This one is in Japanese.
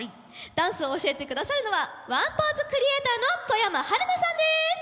ダンスを教えてくださるのはワンポーズクリエイターの外山晴菜さんです。